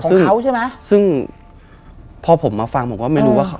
ซึ่งพอผมมาฟังผมก็ไม่รู้ว่า